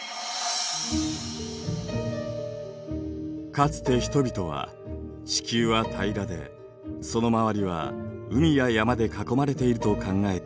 かつて人々は地球は平らでその周りは海や山で囲まれていると考えていました。